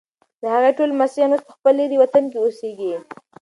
د هغې ټول لمسیان اوس په خپل لیرې وطن کې اوسیږي.